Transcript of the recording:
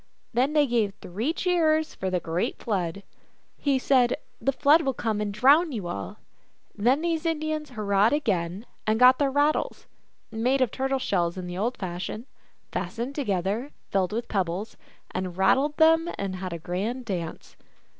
Then they gave three cheers for the great Flood. He said, " The Flood will come and drown you all." Then these Indians hurrahed again, and got their rattles, made of turtle shells, in the old fashion, fastened to GLOOSKAP THE DIVINITY. Ill gether, filled with pebbles, and rattled them and had a grand dance.